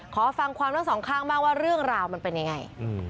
ขอฟังความทั้งสองครั้งมาว่าเรื่องราวมันเป็นอย่างไร